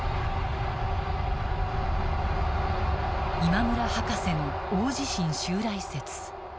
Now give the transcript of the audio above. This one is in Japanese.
「今村博士の大地震襲来説」。